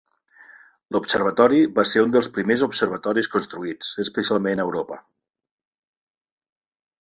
L'observatori va ser un dels primers observatoris construïts especialment a Europa.